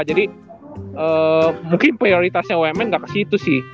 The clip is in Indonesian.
jadi mungkin prioritasnya umn nggak ke situ sih